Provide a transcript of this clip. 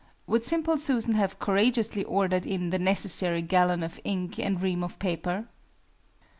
Would SIMPLE SUSAN have courageously ordered in the necessary gallon of ink and ream of paper?